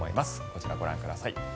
こちらをご覧ください。